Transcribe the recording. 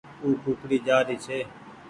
او ڪوڪڙي جآري ڇي